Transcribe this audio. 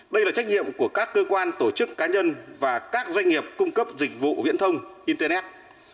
đây là trách nhiệm của các cơ quan tổ chức cá nhân và các doanh nghiệp cung cấp dịch vụ viễn thông internet